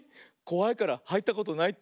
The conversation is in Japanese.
こわいからはいったことないって？